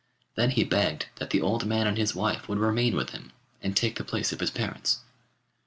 Then he begged that the old man and his wife would remain with him, and take the place of his parents.